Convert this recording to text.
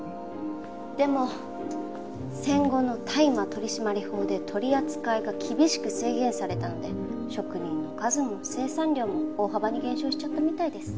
でも戦後の大麻取締法で取り扱いが厳しく制限されたので職人の数も生産量も大幅に減少しちゃったみたいです。